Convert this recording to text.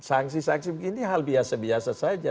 sangsi sangsi begini hal biasa biasa saja